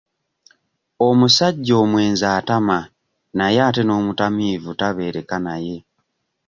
Omusajja omwenzi atama naye ate n’omutamiivu tabeereka naye.